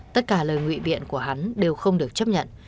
tất cả lời ngụy viện của hắn đều không được chấp nhận